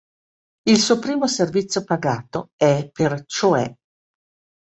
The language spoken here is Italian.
Il suo primo servizio pagato è per "Cioè".